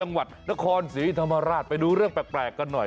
จังหวัดนครศรีธรรมราชไปดูเรื่องแปลกกันหน่อย